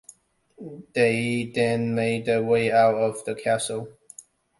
They then made their way out of the castle.